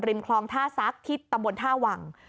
คลองท่าซักที่ตำบลท่าวัง